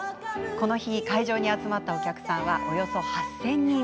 この日、会場に集まったお客さんは、およそ８０００人。